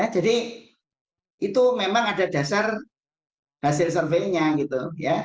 jadi itu memang ada dasar hasil surveinya gitu ya